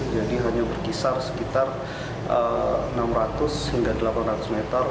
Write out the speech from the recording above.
jadi hanya berkisar sekitar enam ratus hingga delapan ratus meter